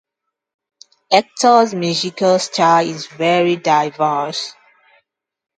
Hector's musical style is very diverse.